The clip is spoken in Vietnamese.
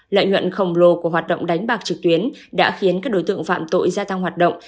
lợi nhuận khổng lồ của hoạt động đánh bạc trực tuyến đã khiến các đối tượng phạm tội gia tăng hoạt động